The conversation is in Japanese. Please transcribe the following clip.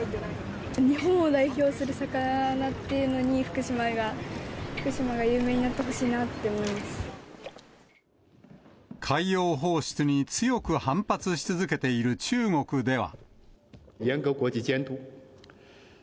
日本を代表する魚になって、福島が、福島が有名になってほし海洋放出に強く反発し続けている中国では。